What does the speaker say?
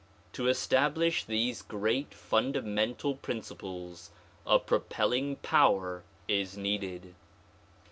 To establish these great fundamental principles a propelling power is needed.